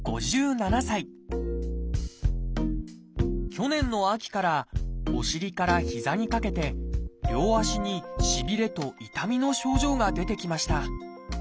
去年の秋からお尻から膝にかけて両足にしびれと痛みの症状が出てきました。